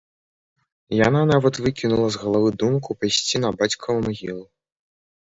Яна нават выкінула з галавы думку пайсці на бацькаву магілу.